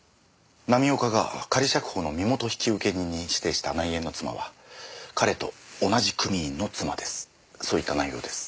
浪岡が仮釈放の身元引受人に指定した内縁の妻は彼と同じ組員の妻です